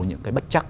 những cái bất chắc